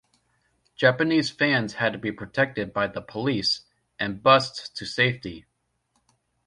Japanese fans had to be protected by the police, and bussed to safety.